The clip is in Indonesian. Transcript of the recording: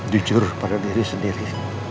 jujur pada diri sendiri